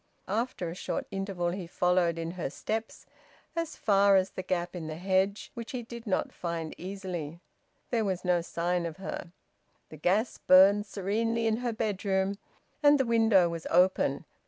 After a short interval he followed in her steps as far as the gap in the hedge, which he did not find easily. There was no sign of her. The gas burned serenely in her bedroom, and the window was open.